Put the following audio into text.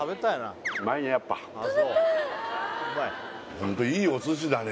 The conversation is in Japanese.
ホントいいお寿司だね